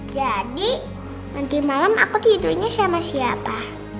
jadi nanti malam aku tidurnya sama siapa